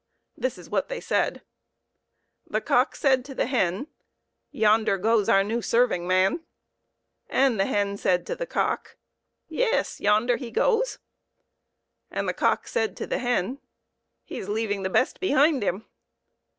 This is what they said: The cock said to the hen, " Yonder goes our new serving man." And the hen said to the cock, " Yes, yonder he goes." And the cock said to the hen, " He is leaving the best behind him."